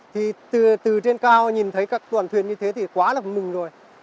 thì từ trên cao nhìn thấy các đoàn thuyền như thế thì quá là vui mừng rồi